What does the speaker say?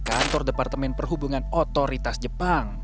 kantor departemen perhubungan otoritas jepang